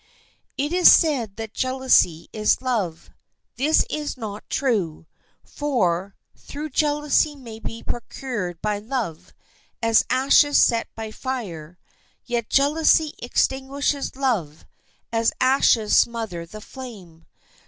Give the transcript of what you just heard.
It is said that jealousy is love. This is not true; for, though jealousy may be procured by love, as ashes are by fire, yet jealousy extinguishes love, as ashes smother the flame.